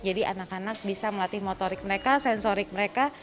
jadi anak anak bisa melatih motorik mereka sensorik mereka